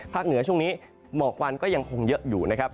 เหนือช่วงนี้หมอกควันก็ยังคงเยอะอยู่นะครับ